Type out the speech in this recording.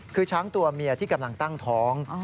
คือช้างตัวเมียที่กำลังตั้งท้อง